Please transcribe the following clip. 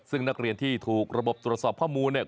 ซึ่งนักเรียนที่ถูกระบบตรวจสอบข้อมูลเนี่ย